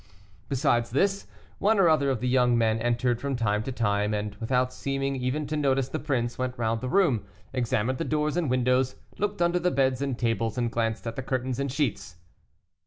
Besides this, one or other of the young men entered from time to time, and, without seeming even to notice the prince, went round the room, examined the doors and windows, looked under the beds and tables, and glanced at the curtains and sheets.